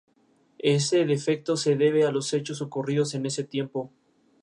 Ese defecto se debe a los hechos ocurridos en ese tiempo.